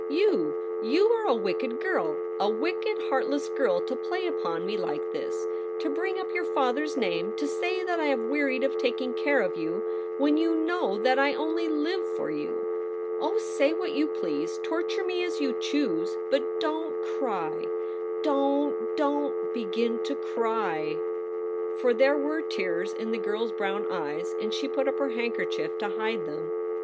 ' You — you are a wicked girl — a wicked, heartless girl, to play upon me like this — to bring up your father's name — to say that I have wearied of taking care of you, when you know that I only live for you — Oh, say what you please, torture me as you choose ; but don't cry — don't, don't begin to cry !' THE REBEL ROSE. For there were tears in the girl's brown eyes, and she put up her handkerchief to hide them.